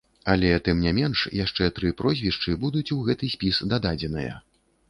Але, тым не менш, яшчэ тры прозвішчы будуць у гэты спіс дададзеныя.